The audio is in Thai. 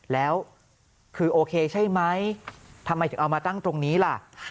แล้วคือโอเคใช่ไหมทำไมถึงเอามาตั้งตรงนี้ล่ะ